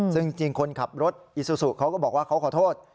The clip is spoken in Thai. ซึ่งจริงคนขับรถอีซูซูเขาก็บอกว่าเขาขอโทษ